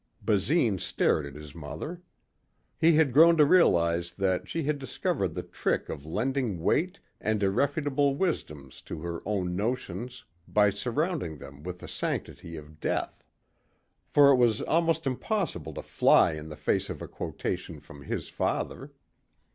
Basine stared at his mother. He had grown to realize that she had discovered the trick of lending weight and irrefutable wisdoms to her own notions by surrounding them with the sanctity of death. For it was almost impossible to fly in the face of a quotation from his father.